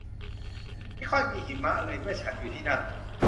ไม่ค่อยมีหิมะเลยเมื่อฉันอยู่ที่นั่น